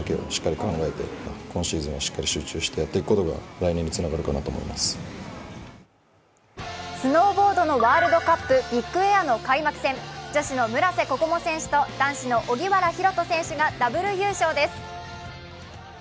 最後も西田がサービスエースを決めてスノーボードのワールドカップビッグエアの開幕戦女子の村瀬心椛選手と男子の荻原大翔選手がダブル優勝です。